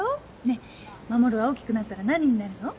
ねぇ守は大きくなったら何になるの？